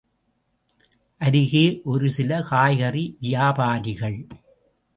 அருகே ஒருசில காய்கறி வியாபாரிகள்.